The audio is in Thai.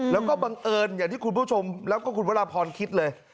แล้วก็บังเอิญอย่างที่คุณผู้ชมแล้วก็คุณวรพรคิดเลย